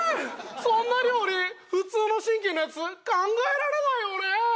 そんな料理普通の神経のやつ考えられないよねぇ